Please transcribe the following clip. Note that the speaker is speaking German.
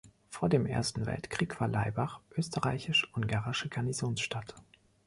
Vor dem Ersten Weltkrieg war Laibach österreichisch-ungarische Garnisonstadt.